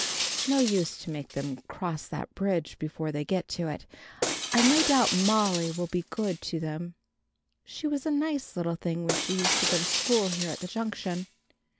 No use to make them cross their bridge before they get to it. I've no doubt Molly will be good to them. She was a nice little thing when she used to go to school here at the Junction."